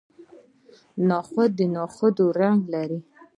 نخود نخودي رنګ لري.